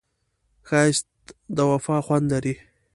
ښایست د وفا خوند لري